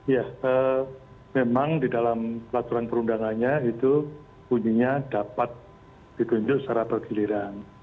ya memang di dalam peraturan perundangannya itu bunyinya dapat ditunjuk secara bergiliran